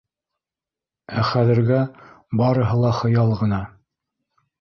Ә хәҙергә - барыһы ла хыял ғына.